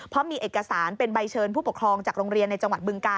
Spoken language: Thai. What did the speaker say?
เพราะมีเอกสารเป็นใบเชิญผู้ปกครองจากโรงเรียนในจังหวัดบึงกา